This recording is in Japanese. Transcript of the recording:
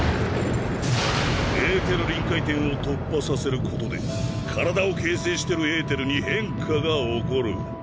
エーテル臨界点を突破させることで体を形成してるエーテルに変化が起こる。